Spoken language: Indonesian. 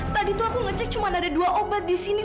tadi tuh aku ngecek cuma ada dua obat di sini